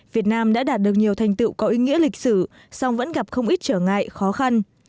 việt nam đã đạt được nhiều thành tựu có ý nghĩa lịch sử song vẫn gặp không ít trở ngại khó khăn